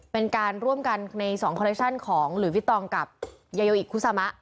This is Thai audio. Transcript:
เป็นการร่วมกันใน๒คอลเลคชั่นของหลุยพี่ตองกับยาโยอิคุซามะ